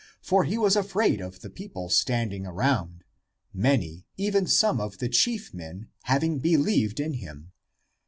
For he was afraid of the people standing around, many, even some of the chief men, having believed in him.